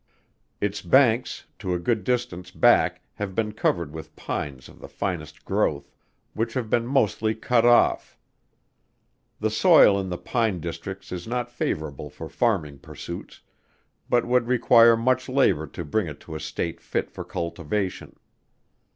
Its banks to a good distance back have been covered with pines of the finest growth, which have been mostly cut off. The soil in the pine districts is not favorable for farming pursuits, but would require much labor to bring it to a state fit for cultivation.